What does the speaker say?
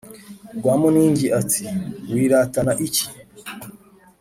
Rwamuningi ati: "Wiratana iki